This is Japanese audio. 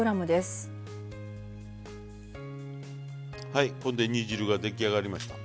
はいこれで煮汁が出来上がりました。